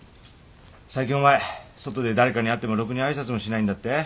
最近お前外で誰かに会ってもろくにあいさつもしないんだって？